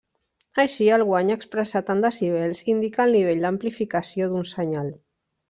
Així, el guany, expressat en decibels, indica el nivell d'amplificació d'un senyal.